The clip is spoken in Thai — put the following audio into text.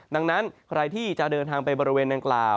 ดังนั้นใครที่จะเดินทางไปบริเวณดังกล่าว